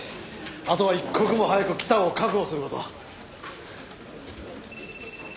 あとは一刻も早く北を確保する事だ。